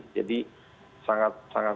jadi sangat kecepatan